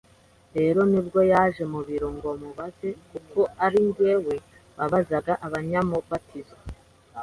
rero nibwo yaje mu biro ngo mubaze kuko ari njye wabazaga abanyamubatizo